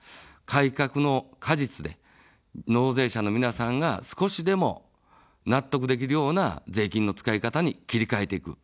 改革の果実で、納税者の皆さんが少しでも納得できるような税金の使い方に切り替えていく。